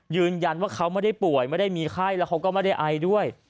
ยืนยันว่าเขาไม่ได้ป่วยไม่ได้มีไข้แล้วเขาก็ไม่ได้ไอด้วย